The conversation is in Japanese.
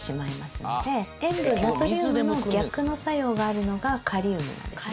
ナトリウムの逆の作用があるのがカリウムなんですね。